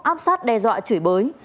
áp sát đe dọa chửi bới